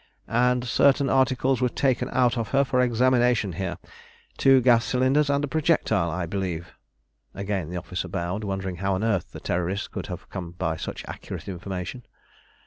"And certain articles were taken out of her for examination here two gas cylinders and a projectile, I believe?" Again the officer bowed, wondering how on earth the Terrorist could have come by such accurate information.